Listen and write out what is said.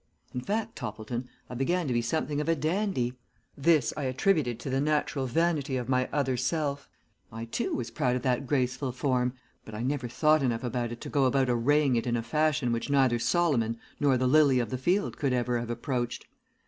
In fact, Toppleton, I began to be something of a dandy. This I attributed to the natural vanity of my other self. I, too, was proud of that graceful form, but I never thought enough about it to go about arraying it in a fashion which neither Solomon nor the lily of the field could ever have approached.